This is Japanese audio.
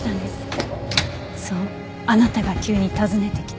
そうあなたが急に訪ねてきた。